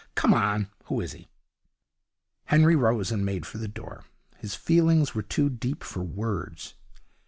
Come on. Who is he?' Henry rose and made for the door. His feelings were too deep for words.